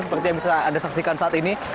seperti yang bisa anda saksikan saat ini